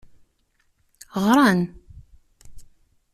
Ɣran.